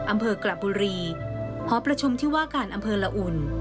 อำเภอกระบุรีหอประชุมที่ว่าการอำเภอละอุ่น